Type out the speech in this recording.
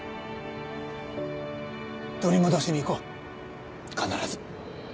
取り戻しに行こう必ず。